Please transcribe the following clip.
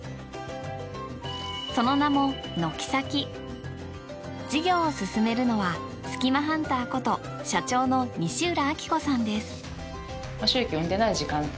その名も事業を進めるのはスキマハンターこと社長の西浦明子さんです。